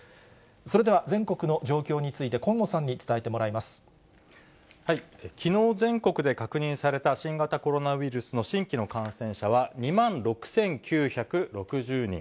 それでは、全国の状況について、きのう、全国で確認された新型コロナウイルスの新規の感染者は、２万６９６０人。